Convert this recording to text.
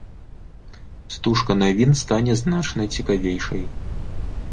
Стужка навін стане значна цікавейшай.